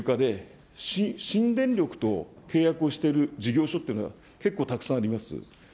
もう１つは電力自由化で新電力と契約をしている事業所っていうのは結構たくさんあります。